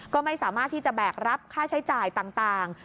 ก็ไม่สามารถที่จะแบกรับค่าใช้จ่ายต่าง